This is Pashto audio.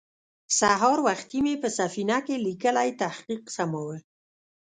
سهار وختې مې په سفينه کې ليکلی تحقيق سماوه.